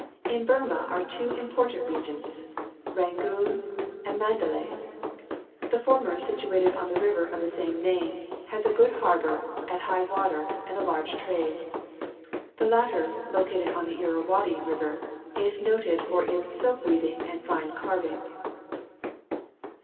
In Burma are two important cities, Rangoon and Mgjxdalay. The former, situated on the river of the same name, has a good harbour at high water and a large trade. The latter, located on the Irrawaddy River, is noted for its silk wea\'ing and fine car\ ing.